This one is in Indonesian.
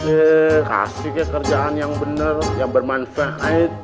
eee kasih ke kerjaan yang bener yang bermanfaat